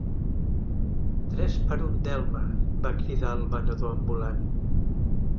"Tres per un delme", va cridar el venedor ambulant.